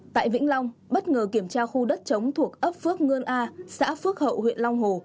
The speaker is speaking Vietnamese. tại vĩnh long bất ngờ kiểm tra khu đất chống thuộc ấp phước ngân a xã phước hậu huyện long hồ